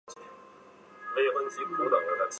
南昆虾脊兰为兰科虾脊兰属下的一个种。